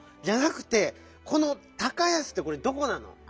じゃなくてこの「高安」ってこれどこなの？